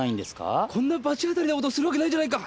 こんな罰当たりなことするわけないじゃないか。